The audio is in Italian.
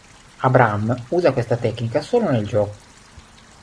Abram usa questa tecnica solo nel gioco.